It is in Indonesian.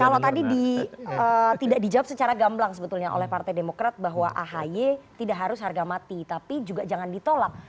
kalau tadi tidak dijawab secara gamblang sebetulnya oleh partai demokrat bahwa ahy tidak harus harga mati tapi juga jangan ditolak